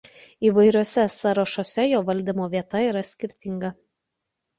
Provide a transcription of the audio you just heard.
Įvairiuose sąrašuose jo valdymo vieta yra skirtinga.